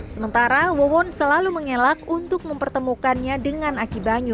sementara wawon selalu mengelak untuk mempertemukannya dengan akibanyu